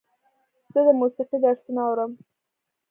زه د موسیقۍ درسونه اورم.